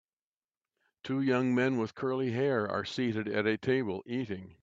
Two young men with curly hair are seated at a table eating